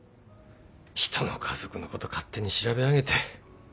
人の家族のこと勝手に調べあげて。